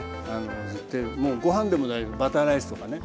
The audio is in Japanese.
もうご飯でも大丈夫バターライスとかね。